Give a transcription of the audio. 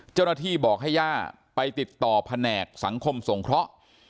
เจ้าหน้าที่บอกให้ย่าไปติดต่อแผนกสังคมสงเคราะห์